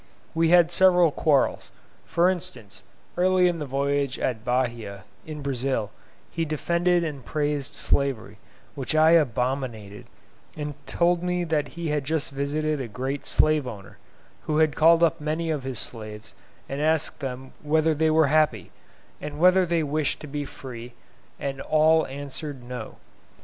We had several quarrels; for instance, early in the voyage at Bahia, in Brazil, he defended and praised slavery, which I abominated, and told me that he had just visited a great slave owner, who had called up many of his slaves and asked them whether they were happy, and whether they wished to be free, and all answered "No."